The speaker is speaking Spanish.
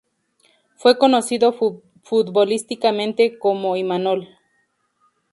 Fue conocido futbolísticamente como Imanol.